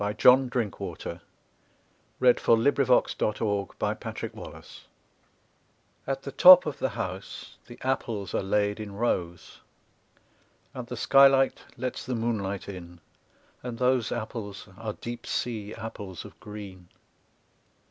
John Drinkwater 49 John MOONLIT APPLES Drinkwater At the top of the house the apples are laid in rows, And the skylight lets the moonlight in, and those Apples are deep sea apples of green.